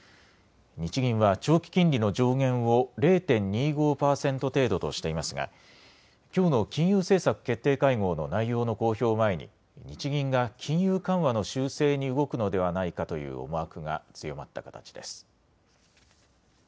日銀は長期金利の上限を０．２５％程度としていますがきょうの金融政策決定会合の内容の公表を前に日銀が金融緩和の修正に動くのではないかという思惑が強まった形です。